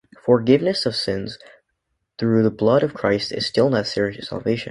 Forgiveness of sins through the blood of Christ is still necessary to salvation.